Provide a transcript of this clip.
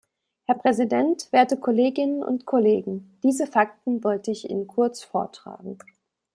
Herr Präsident, werte Kolleginnen und Kollegen, diese Fakten wollte ich Ihnen kurz vortragen.